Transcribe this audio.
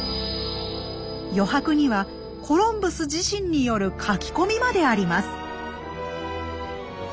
余白にはコロンブス自身による書き込みまであります。